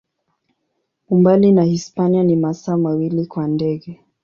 Umbali na Hispania ni masaa mawili kwa ndege.